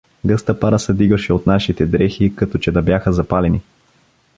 Гъста пара се дигаше от нашите дрехи, като че да бяха запалени.